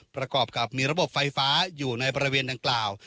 ประกอบกับมีระบบไฟฟ้าอยู่ในบริเวณดังกล่าว